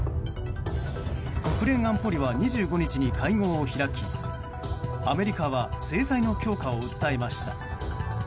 国連安保理は２５日に会合を開きアメリカは制裁の強化を訴えました。